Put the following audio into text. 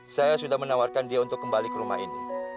saya sudah menawarkan dia untuk kembali ke rumah ini